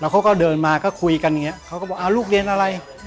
เขาก็เดินมาก็คุยกันอย่างนี้เขาก็บอกลูกเรียนอะไร